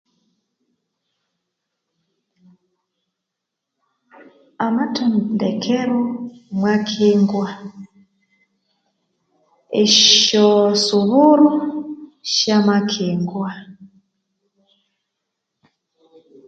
Amathendekero mwa kingwa esyoo suburu sya makingwa